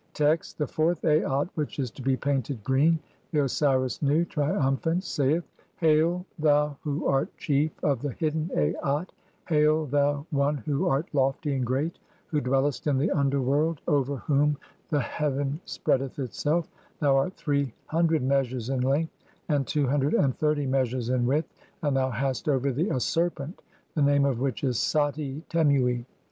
Text : (1) The fourth Aat [which is to be painted] green. The Osiris Nu, triumphant, saith :— (2) "Hail, thou who art chief of the hidden Aat. Hail, thou "One who art lofty and great, who dwellest in the underworld, 266 THE CHAPTERS OF COMING FORTH BY DAY "over whom the heaven spreadeth itself. (3) Thou art three "hundred measures in length, and two hundred and thirty "measures in width, and thou hast over thee a serpent the "name of which is Sati temui z